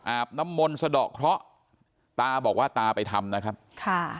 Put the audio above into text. บน้ำมนต์สะดอกเคราะห์ตาบอกว่าตาไปทำนะครับค่ะ